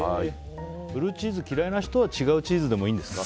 ブルーチーズ嫌いな人は違うチーズでもいいんですか？